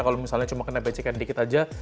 kalau misalnya cuma kena becikan dikit aja